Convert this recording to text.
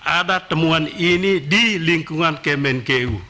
ada temuan ini di lingkungan kemenku